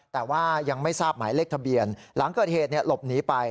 แต่ว่ายังไม่ทราบหมายเลขทะเบียนหลังเกิดเหตุหลบหนีไป